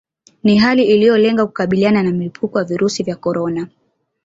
Ni hali iliolenga kukabiliana na mlipuko wa virusi vya corona